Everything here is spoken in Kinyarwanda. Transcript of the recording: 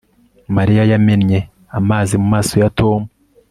Mariya yamennye amazi mu maso ya Tom